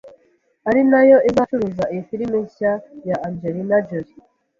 ari nayo izacuruza iyi filime nshya ya Angelina Jolie